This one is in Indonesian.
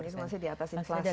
itu masih di atas inflasi lah